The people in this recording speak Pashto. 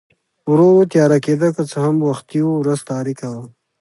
ورو ورو تیاره کېده، که څه هم وختي و، ورځ تاریکه وه.